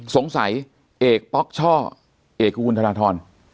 สงสัยเอกป๊อกช่อเอกคุณทรทร